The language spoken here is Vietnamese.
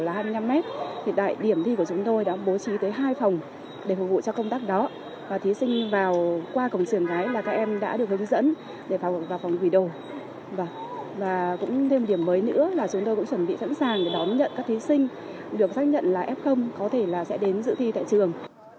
và cũng thêm điểm mới nữa là chúng tôi cũng chuẩn bị sẵn sàng để đón nhận các thí sinh được xác nhận là f có thể là sẽ đến giữ thi tại trường